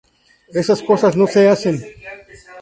Esas cosas no se hacen.